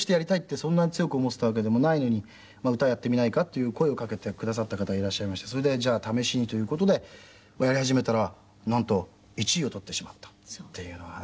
そんなに強く思ってたわけでもないのに歌をやってみないか？っていう声をかけてくださった方がいらっしゃいましてそれでじゃあ試しにという事でやり始めたらなんと１位をとってしまったっていうのがね。